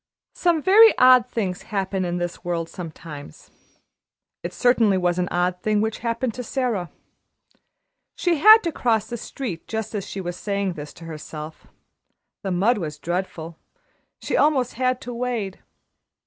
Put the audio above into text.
Some very odd things happen in this world sometimes. It certainly was an odd thing which happened to Sara. She had to cross the street just as she was saying this to herself the mud was dreadful she almost had to wade.